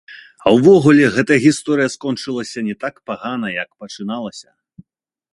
А ўвогуле гэтая гісторыя скончылася не так пагана як пачыналася.